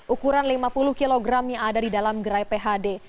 ukuran lima puluh kg yang ada di dalam gerai phd